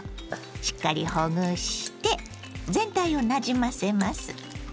しっかりほぐして全体をなじませます。